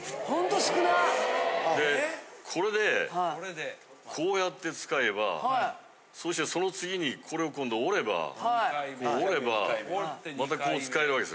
でこれでこうやって使えばそしたらその次にこれを今度は折ればまたこう使えるわけです